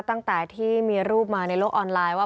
ตั้งแต่ที่มีรูปมาในโลกออนไลน์ว่า